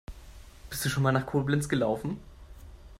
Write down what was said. Bist du schon mal nach Koblenz gelaufen?